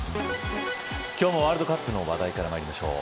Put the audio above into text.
今日もワールドカップの話題からまいりましょう。